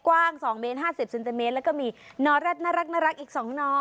กว้างสองเมตรห้าสิบเซนเซนเมตรแล้วก็มีนอแร็ดน่ารักน่ารักอีกสองนอ